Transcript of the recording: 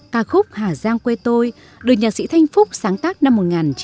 ca khúc hà giang quê tôi được nhạc sĩ thanh phúc sáng tác năm một nghìn chín trăm bảy mươi